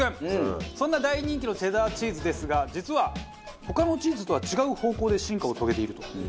そんな大人気のチェダーチーズですが実は他のチーズとは違う方向で進化を遂げていると。